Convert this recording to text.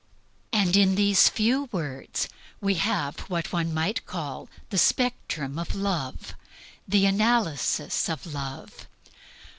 In these few words we have what one might call THE SPECTRUM OF LOVE, the analysis of Love.